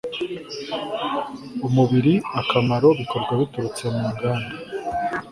umubiri akamaro bikorwa biturutse mu nganda